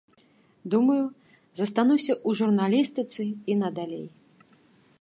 Думаю, застануся ў журналістыцы і надалей.